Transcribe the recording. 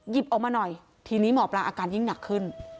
ออกมาหน่อยทีนี้หมอปลาอาการยิ่งหนักขึ้น